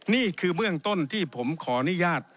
นี่คือเบื้องต้นที่ผมขออนุญาต